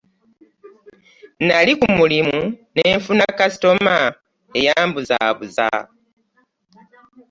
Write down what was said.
Nali ku mulimu ne nfuna kasitoma eyambuzabuza.